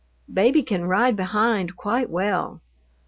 Baby can ride behind quite well.